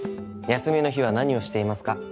「休みの日は何をしていますか？」